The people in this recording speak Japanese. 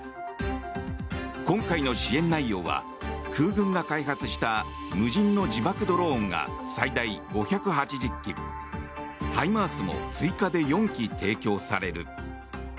今回の支援内容は空軍が開発した無人の自爆ドローンが最大５８０機ハイマースも追加で４基提供される。